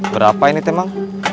berapa ini teman